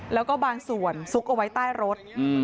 แล้วก็บางส่วนซุกเอาไว้ใต้รถ